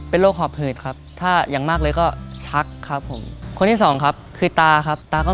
เป็นห่วงยายครับ